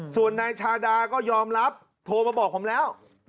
ส่วนนายชาดาก็ยอมรับโทรมาบอกผมแล้ว